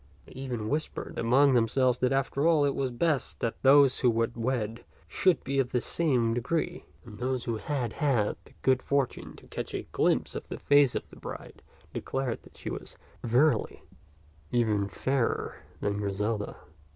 They even whispered among themselves that after all it was best that those who would wed should be of the same degree; and those who had had the good fortune to catch a glimpse of the face of the bride declared that she was verily even fairer than Griselda.